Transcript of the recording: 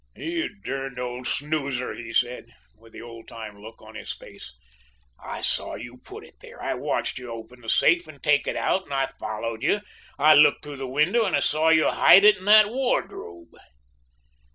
"'You darned old snoozer,' he said, with the old time look on his face, 'I saw you put it there. I watched you open the safe and take it out, and I followed you. I looked through the window and saw you hide it in that wardrobe.'